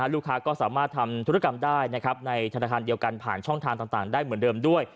ลูกค้าก็สามารถทำธุรกรรมได้ในธนาคารเดียวกันผ่านช่องทางต่างได้เหมือนเดิมด้วย